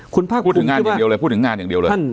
คุณภาคคุมคือว่าพูดถึงงานอย่างเดียวเลย